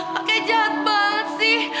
kakek jahat banget sih